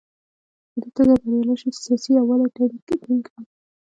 په دې توګه بریالی شو چې سیاسي یووالی ټینګ کړي.